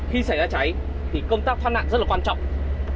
khi xảy ra cháy thì công tác thoát nạn rất là quan trọng